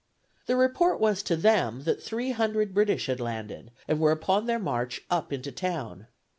The report was to them that three hundred British had landed, and were upon their march up into town.